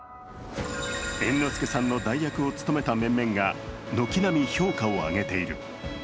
猿之助さんの代役を務めた面々が軒並み評価を上げている。